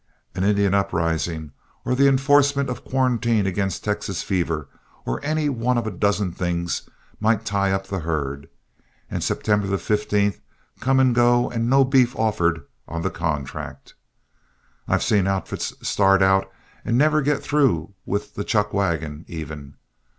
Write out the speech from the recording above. An Indian uprising, or the enforcement of quarantine against Texas fever, or any one of a dozen things might tie up the herd, and September the 15th come and go and no beef offered on the contract. I've seen outfits start out and never get through with the chuck wagon, even.